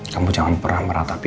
kamu jangan pernah meratapi